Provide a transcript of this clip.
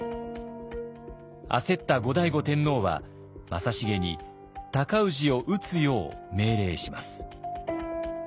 焦った後醍醐天皇は正成に尊氏を討つよう命令します。